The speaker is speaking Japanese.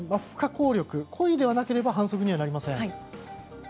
不可抗力故意でなければ反則にはなりません。